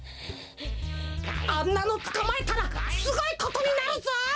あんなのつかまえたらすごいことになるぞ！